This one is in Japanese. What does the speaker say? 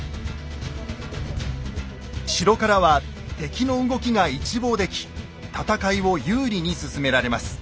城からは敵の動きが一望でき戦いを有利に進められます。